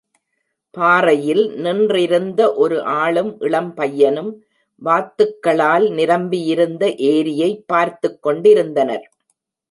பாறையில் நின்றிருந்த ஒரு ஆளும் இளம் பையனும் வாத்துக்களால் நிரம்பியிருந்த ஏரியை பார்த்துக் கொண்டிருந்தனர்